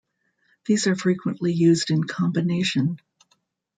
These are frequently used in combination.